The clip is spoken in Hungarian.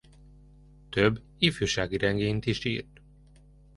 Több ifjúsági regényt is írt.